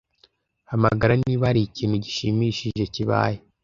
Hamagara niba hari ikintu gishimishije kibaye.